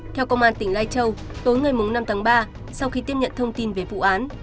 theo công an tỉnh lai châu tối ngày năm tháng ba sau khi tiếp nhận thông tin về vụ án